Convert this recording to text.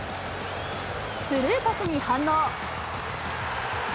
スルーパスに反応。